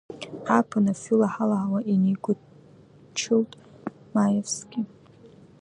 Ааԥын афҩы лаҳа-лаҳауа инеигәыдчылт Маевски.